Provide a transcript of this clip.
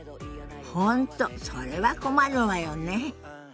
本当それは困るわよね。